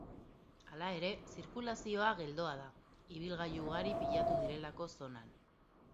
Hala ere, zirkulazioa geldoa da, ibilgailu ugari pilatu direlako zonan.